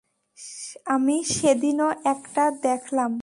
আমি সেদিনও একটা দেখলাম।